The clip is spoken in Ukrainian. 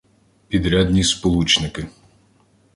Підрядні сполучники